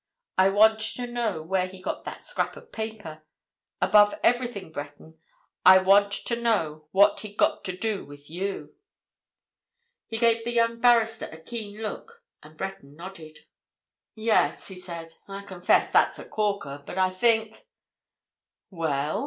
I want to know where he got that scrap of paper. Above everything, Breton, I want to know what he'd got to do with you!" He gave the young barrister a keen look, and Breton nodded. "Yes," he said. "I confess that's a corker. But I think——" "Well?"